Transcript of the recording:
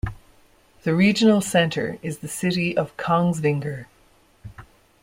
The regional center is the city of Kongsvinger.